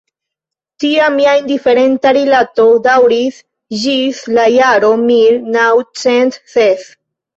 Tia mia indiferenta rilato daŭris ĝis la jaro mil naŭcent ses.